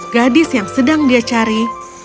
gadis yang sedang dia cari